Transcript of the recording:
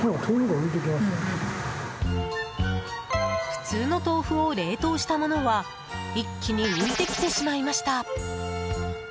普通の豆腐を冷凍したものは一気に浮いてきてしまいました。